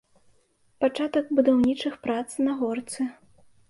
Пачатак будаўнічых прац на горцы.